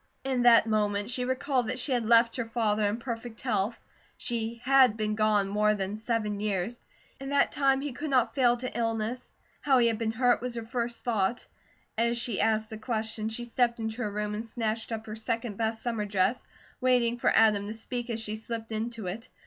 In that moment she recalled that she had left her father in perfect health, she had been gone more than seven years. In that time he could not fail to illness; how he had been hurt was her first thought. As she asked the question, she stepped into her room and snatched up her second best summer dress, waiting for Adam to speak as she slipped into it.